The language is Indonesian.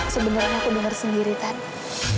sebenarnya aku dengar sendiri kan